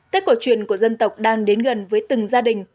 tết cổ truyền của dân tộc đang đến gần với từng gia đình